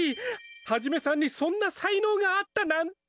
ハジメさんにそんな才のうがあったなんて。